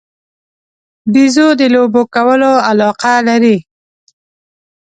بیزو د لوبو کولو علاقه لري.